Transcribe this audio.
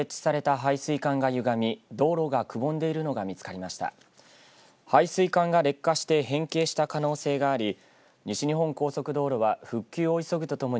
配水管が劣化して変形した可能性があり西日本高速道路は復旧を急ぐとともに